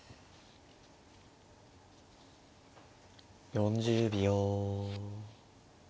４０秒。